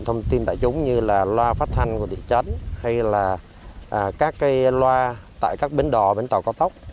thông tin tài chúng như là loa phát thanh của thị trấn hay là các loa tại các bến đò bến tàu có tóc